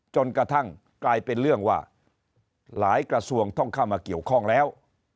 จนกระทั่งกลายเป็นเรื่องว่าหลายกระทรวงต้องเข้ามาเกี่ยวข้องแล้ว